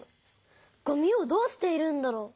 ごみをどうしているんだろう？